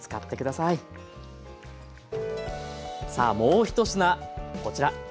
さあもう１品こちら。